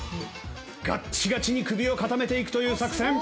ガッチガチに首を固めていくという作戦。